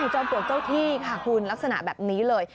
จอมปลวกเจ้าที่ค่ะคุณลักษณะแบบนี้เลย